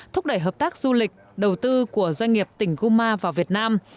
thúc đẩy hợp tác du lịch đầu tư của doanh nghiệp tỉnh guma vào việt nam